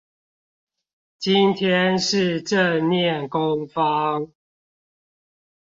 今天是正念工坊